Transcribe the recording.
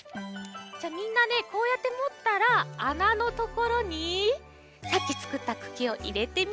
じゃあみんなねこうやってもったらあなのところにさっきつくったくきをいれてみてください。